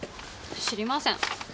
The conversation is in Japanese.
知りません！